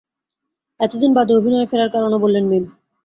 এত দিন বাদে অভিনয়ে ফেরার কারণও বললেন মীম।